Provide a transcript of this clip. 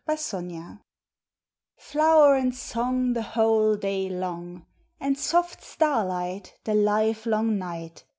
July Second JULY and song The whole day long! And soft starlight The livelong night!